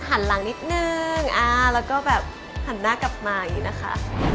หันหลังนิดนึงแล้วก็แบบหันหน้ากลับมาอย่างนี้นะคะ